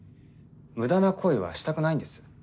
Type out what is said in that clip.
無駄な行為はしたくないんです。